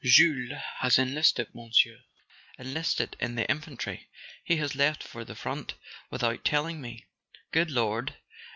"Jules has enlisted, Monsieur; enlisted in the in¬ fantry. He has left for the front without telling me." "Good Lord.